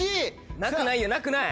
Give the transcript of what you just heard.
なくないよなくない。